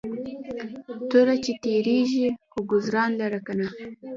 توره چې تیرېږي خو گزار لره کنه